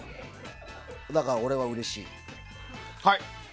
だから、俺はうれしい。